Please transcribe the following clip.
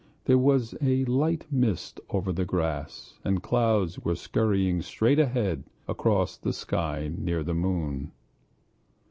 There was a light mist over the grass, and clouds were scurrying straight ahead across the sky near the moon.